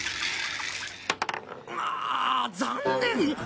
ああ残念。